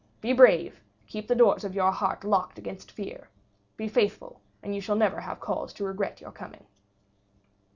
Be brave, keep the doors of your heart locked against Fear; be faithful, and you shall never have cause to regret your coming."